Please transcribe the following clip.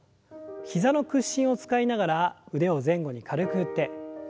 膝の屈伸を使いながら腕を前後に軽く振って。